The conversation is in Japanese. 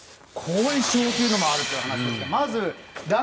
後遺症というのもあるという話も。